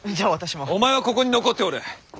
お前はここに残っておれ。